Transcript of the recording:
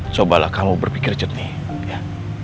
cobalah kamu berpikir jernih ya